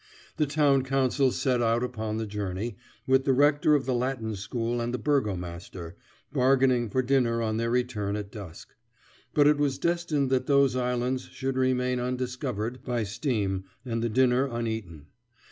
The town council set out upon the journey, with the rector of the Latin School and the burgomaster, bargaining for dinner on their return at dusk. But it was destined that those islands should remain undiscovered by steam and the dinner uneaten.